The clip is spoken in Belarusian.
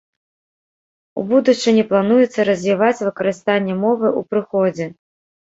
У будучыні плануецца развіваць выкарыстанне мовы ў прыходзе.